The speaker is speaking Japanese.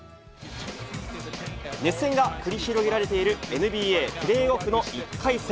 熱戦が繰り広げられているＮＢＡプレーオフの１回戦。